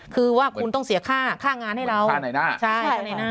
คือว่าคุณต้องเสียค่าค่างานให้เราค่าในหน้าใช่ในหน้า